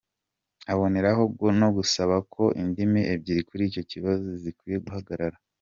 Aboneraho no gusaba ko indimi ebyiri kuri icyo kibazo zikwiye guhagarara.